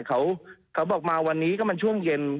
เขาบอกมาวันนี้ก็มันช่วงเย็น